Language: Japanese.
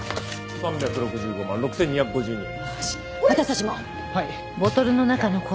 ３６４万６２５２円！